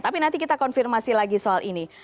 tapi nanti kita konfirmasi lagi soal ini